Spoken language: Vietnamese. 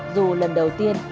dù lần đầu tiên